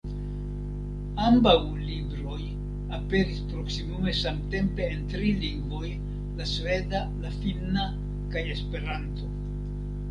Ambaŭ libroj aperis proksimume samtempe en tri lingvoj, la sveda, la finna kaj Esperanto.